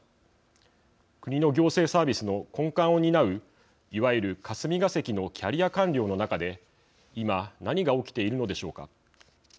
国の行政サービスの根幹を担ういわゆる霞が関のキャリア官僚の中で今何が起きているのでしょうか。